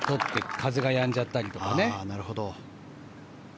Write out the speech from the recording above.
風がやんじゃったりとかね。